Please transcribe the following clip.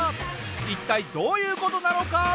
一体どういう事なのか？